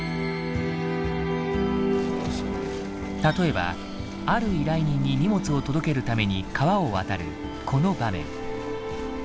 例えばある依頼人に荷物を届けるために川を渡るこの場面。